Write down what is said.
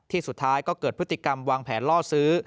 สุดท้ายก็เกิดพฤติกรรมวางแผนล่อซื้อ